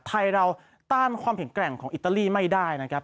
ไทยเราต้านความแข็งแกร่งของอิตาลีไม่ได้นะครับ